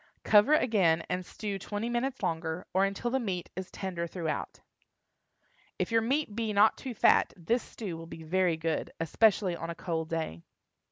Cover again, and stew twenty minutes longer, or until the meat is tender throughout. If your meat be not too fat, this stew will be very good, especially on a cold day.